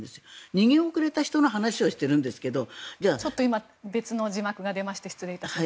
逃げ遅れた人の話をしてるんですが今、別の字幕が出まして失礼しました。